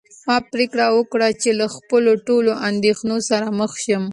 ما پرېکړه وکړه چې له خپلو ټولو اندېښنو سره مخ شم.